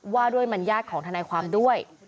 ว่าด้วยมัญญาติของทนายความด้วย